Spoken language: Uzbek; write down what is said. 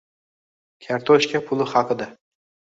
“Kartoshka puli” haqida.